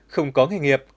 không có nghề nghiệp